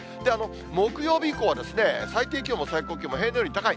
木曜日以降は、最低気温も最高気温も平年より高い。